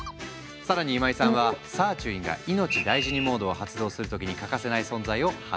更に今井さんはサーチュインが「いのちだいじにモード」を発動する時に欠かせない存在を発見した。